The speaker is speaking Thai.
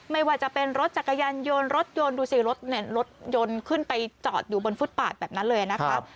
ไม่ว่าจะเป็นรถจักรยานยนต์รถยนต์ดูสิรถรถยนต์ขึ้นไปจอดอยู่บนฟุตปาดแบบนั้นเลยนะครับ